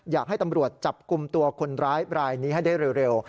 อยากให้ตำรวจจับกลุ่มตัวคนร้ายรายนี้ให้ได้เร็ว